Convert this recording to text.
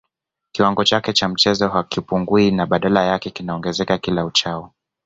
Kiwango chake cha mchezo hakipungui na badala yake kinaongezeka kila uchao